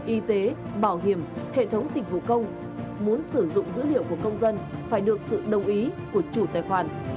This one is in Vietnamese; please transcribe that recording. y tế bảo hiểm hệ thống dịch vụ công muốn sử dụng dữ liệu của công dân phải được sự đồng ý của chủ tài khoản